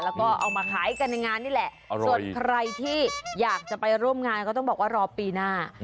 แล้วก็เอามาขายกันในงานนี่แหละส่วนใครที่อยากจะไปร่วมงานก็ต้องบอกว่ารอปีหน้า